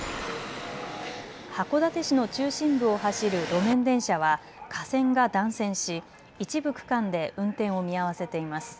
函館市の中心部を走る路面電車は架線が断線し一部区間で運転を見合わせています。